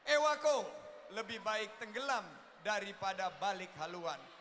ewa ko lebih baik tenggelam daripada balik haluan